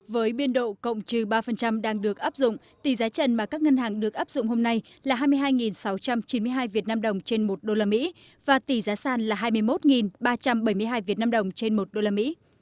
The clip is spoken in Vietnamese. với biên độ cộng trừ ba đang được áp dụng tỷ giá trần mà các ngân hàng được áp dụng hôm nay là hai mươi hai sáu trăm chín mươi hai việt nam đồng trên một đô la mỹ và tỷ giá sàn là hai mươi một ba trăm bảy mươi hai việt nam đồng trên một đô la mỹ